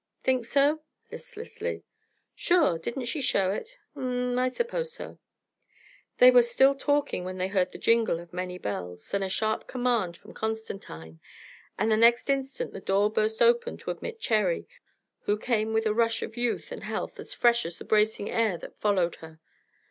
"Think so?" listlessly. "Sure. Didn't she show it?" "Um m, I suppose so." They were still talking when they heard the jingle of many bells, then a sharp command from Constantine, and the next instant the door burst open to admit Cherry, who came with a rush of youth and health as fresh as the bracing air that followed her.